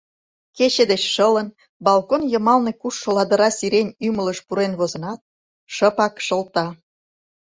Кече деч шылын, балкон йымалне кушшо ладыра сирень ӱмылыш пурен возынат, шыпак шылта.